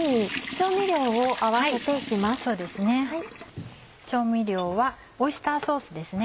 調味料はオイスターソースですね。